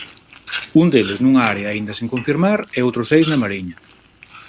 Un deles nunha área aínda sen confirmar e outros seis na Mariña.